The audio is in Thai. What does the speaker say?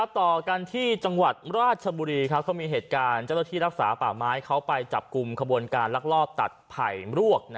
ต่อกันที่จังหวัดราชบุรีเขามีเหตุการณ์เจ้าหน้าที่รักษาป่าไม้เขาไปจับกลุ่มขบวนการลักลอบตัดไผ่มรวก